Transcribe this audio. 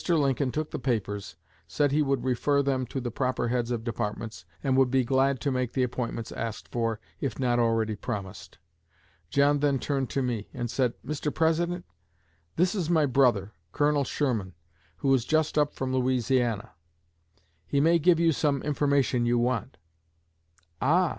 Lincoln took the papers, said he would refer them to the proper heads of departments, and would be glad to make the appointments asked for, if not already promised. John then turned to me, and said, 'Mr. President, this is my brother, Colonel Sherman, who is just up from Louisiana; he may give you some information you want.' 'Ah!'